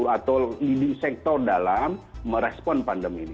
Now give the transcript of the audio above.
atau di sektor dalam merespon pandemi ini